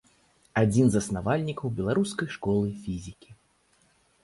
Адзін з заснавальнікаў беларускай школы фізікі.